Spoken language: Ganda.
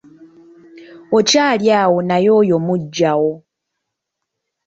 Okyali awo naye oyo muggyawo.